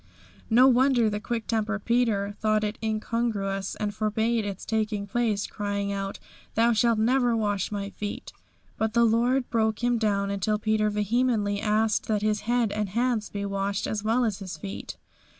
No wonder the quick tempered Peter thought it incongruous, and forbade its taking place, crying out: "Thou shalt never wash my feet!" But the Lord broke him down until Peter vehemently asked that his head and his hands be washed as well as his feet.